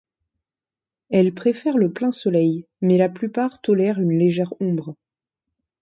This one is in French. Elles préfèrent le plein soleil mais la plupart tolère une légère ombre.